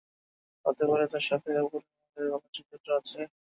হতে পারে তার সাথে উপরিমহলের ভালো যোগসূত্র আছে।